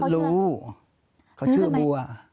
รู้เขาชื่อบัว